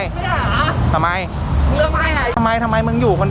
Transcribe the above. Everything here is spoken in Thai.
แล้วทำไมมึงมีอาวุธแล้วมึงเก่งอะ